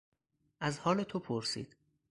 از حال تو پرسید.